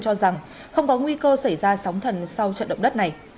cho rằng không có nguy cơ xảy ra sóng thần sau trận động đất này